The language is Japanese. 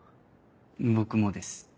僕もです。